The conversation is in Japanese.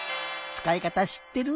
つかいかたしってる？